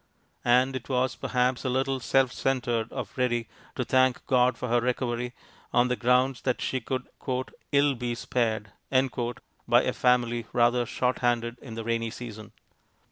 And it was perhaps a little self centred of Ready to thank God for her recovery on the grounds that she could "ill be spared" by a family rather short handed in the rainy season.